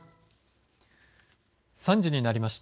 ３時になりました。